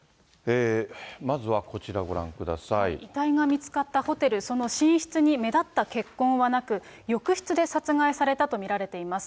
遺体が見つかったホテル、その寝室に目立った血痕はなく、浴室で殺害されたと見られています。